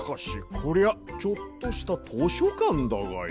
こりゃあちょっとしたとしょかんだがや。